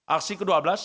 aksi yang kacamata